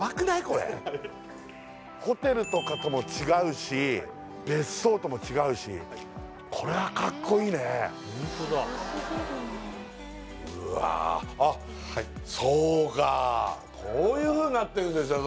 これホテルとかとも違うし別荘とも違うしこれはカッコイイねうわあっそうかこういうふうになってんですよ